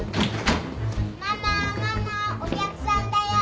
ママママお客さんだよ。